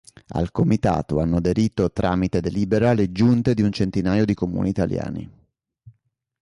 Al comitato hanno aderito tramite delibera le giunte di un centinaio di comuni italiani.